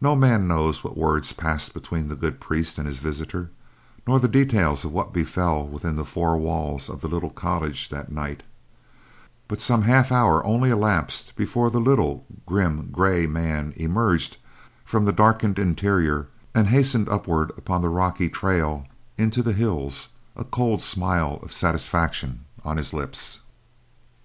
No man knows what words passed between the good priest and his visitor nor the details of what befell within the four walls of the little cottage that night; but some half hour only elapsed before the little, grim, gray man emerged from the darkened interior and hastened upward upon the rocky trail into the hills, a cold smile of satisfaction on his lips.